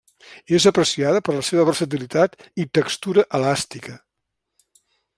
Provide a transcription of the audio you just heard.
És apreciada per la seva versatilitat i textura elàstica.